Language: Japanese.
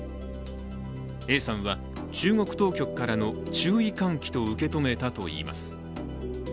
Ａさんは中国当局からの注意喚起と受け止めたといいます。